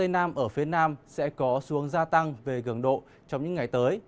nam ở phía nam sẽ có xu hướng gia tăng về cường độ trong những ngày tới